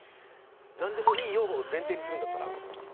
何でもいいよを前提にするんだったら。